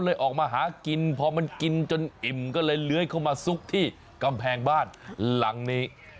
ออกมาหากินพอมันกินจนอิ่มก็เลยเลื้อยเข้ามาซุกที่กำแพงบ้านหลังนี้